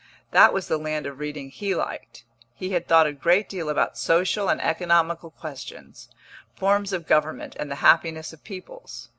That was the land of reading he liked; he had thought a great deal about social and economical questions, forms of government and the happiness of peoples.